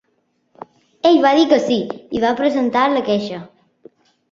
Ell va dir que sí i va presentar la queixa.